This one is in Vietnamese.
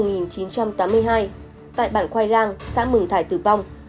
năm một nghìn chín trăm tám mươi hai tại bản khoai rang xã mường thải tử vong